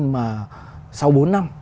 mà sau bốn năm